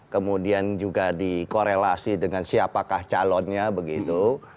kemudian juga dikorelasi dengan siapakah calonnya begitu